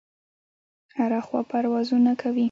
هره خوا پروازونه کوي.